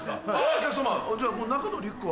お客さまじゃあ中のリュックは。